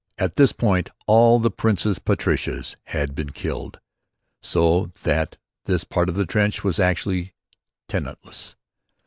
At this point all the Princess Patricias had been killed, so that this part of the trench was actually tenantless.